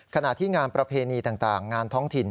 ขณะที่งานประเพณีต่างงานท้องถิ่น